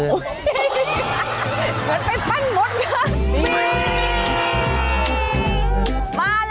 เหมือนไปปั้นมดค่ะ